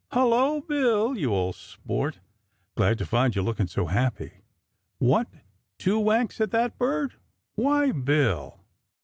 Hulloa, Bill; you old sport!! Glad to find you looking so happy! What? Two whacks at that bird? Why Bill!!